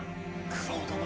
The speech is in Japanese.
九郎殿。